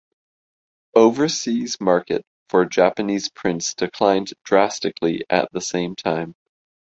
Overseas market for Japanese prints declined drastically at the same time.